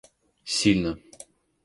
сильно